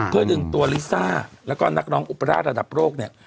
เพื่อดึงตัวลิซ่าแล้วก็นักร้องอุปราชระดับโลกเนี่ย